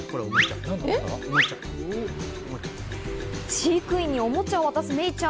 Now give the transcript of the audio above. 飼育員におもちゃを渡すメイちゃん。